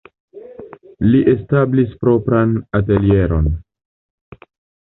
Li establis propran atelieron.